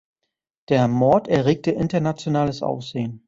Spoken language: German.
Der Mord erregte internationales Aufsehen.